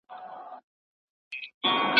د انټرنیټ کارول د انزوا احساس کموي.